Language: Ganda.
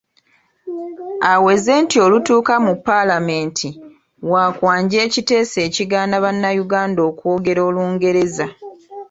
Aweze nti olutuuka mu Paalamenti waakwanja ekiteeso ekigaana bannayuganda okwogera Olungereza.